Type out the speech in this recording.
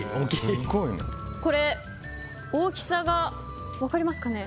これ、大きさが分かりますかね？